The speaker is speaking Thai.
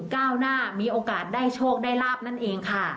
ก้าวหน้ามีโอกาสได้โชคได้ลาบนั่นเองค่ะ